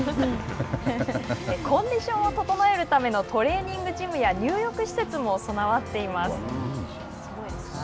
コンディションを整えるためのトレーニングジムや入浴施設も備わっています。